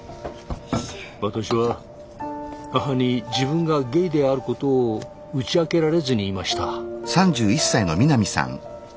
私は母に自分がゲイであることを打ち明けられずにいました。